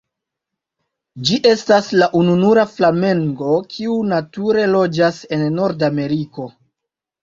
Ĝi estas la ununura flamengo kiu nature loĝas en Nordameriko.